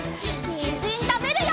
にんじんたべるよ！